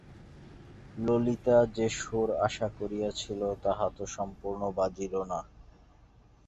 ললিতা যে সুর আশা করিয়াছিল তাহা তো সম্পূর্ণ বাজিল না।